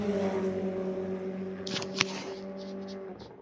kwa hivyo ni mafuta ambayo kwa kifupi yanatafutwa sana kwa hivyo mimi sitashangaa